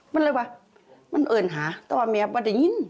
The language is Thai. มันอะไรวะมันเอิญหาตัวแม่บ้าได้ยิน